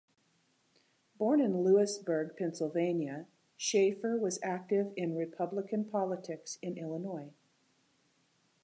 Born in Lewisburg, Pennsylvania, Shaffer was active in Republican politics in Illinois.